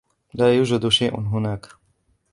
لا يوجد شيء هناك.